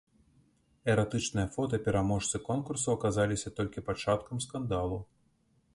Эратычныя фота пераможцы конкурсу аказаліся толькі пачаткам скандалу.